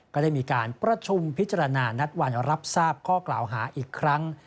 ก็ได้มีการประชุมพิจารณานัดวันรับทราบข้อกล่าวหาอีกครั้ง